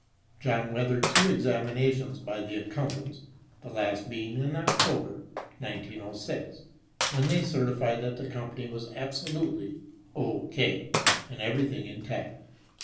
John weathered two examinations by the accountants, the last being in October, 1906, when they certified that the company was absolutely "O.K." and everything intact.